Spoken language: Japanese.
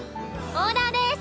オーダーです。